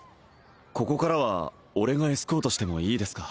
ここからは俺がエスコートしてもいいですか？